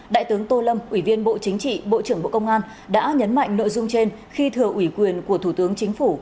đại tướng tô lâm ủy viên bộ chính trị bộ trưởng bộ công an đã nhấn mạnh nội dung trên khi thừa ủy quyền của thủ tướng chính phủ